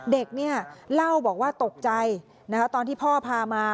เด็กเนี่ยเล่าบอกว่าตกใจตอนที่พ่อพามา